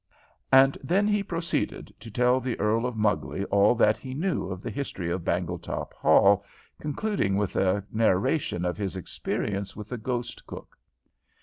And then he proceeded to tell the Earl of Mugley all that he knew of the history of Bangletop Hall, concluding with a narration of his experiences with the ghost cook.